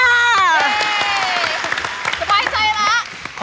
เย่สบายใจแล้ว